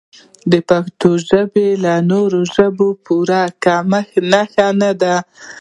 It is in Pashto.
د پښتو ژبې له نورو ژبو پورشوي کلمې د یو کمښت نښه نه ده